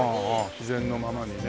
自然のままにね。